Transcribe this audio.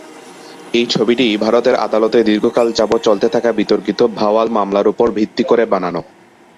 এই ছবিটি ভারতের আদালতে দীর্ঘকাল যাবৎ চলতে থাকা বিতর্কিত ভাওয়াল মামলার উপর ভিত্তি করে বানানো।